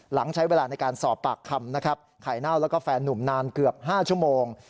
หลังใช้เวลาในการสอบปากคำคลิปอยู่คือห้าชั่วโมง